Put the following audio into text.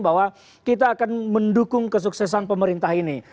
bahwa kita akan mendukung kesuksesan pemerintah ini